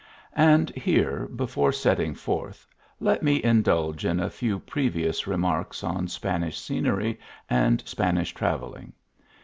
And here, before setting forth, let me indulge in a few previous remarks on Spanish scenery and Spanish travelling.